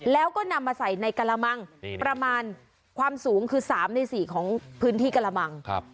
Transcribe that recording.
แล้วก็นำมาใส่ในกระมังประมาณความสูงคือ๓ใน๔ของพื้นที่กระมัง